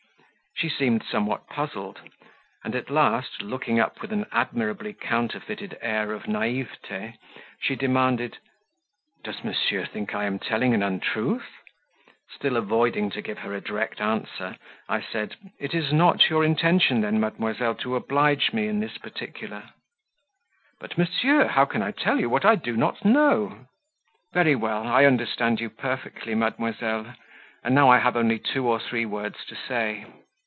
She seemed somewhat puzzled; and, at last, looking up with an admirably counterfeited air of naivete, she demanded, "Does Monsieur think I am telling an untruth?" Still avoiding to give her a direct answer, I said, "It is not then your intention, mademoiselle, to oblige me in this particular?" "But, monsieur, how can I tell you what I do not know?" "Very well; I understand you perfectly, mademoiselle, and now I have only two or three words to say.